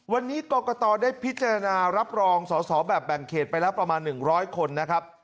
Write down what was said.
วันนี้กรกตได้พิจารณารับรองสอสอแบบแบ่งเขตไปแล้วประมาณ๑๐๐คนนะครับ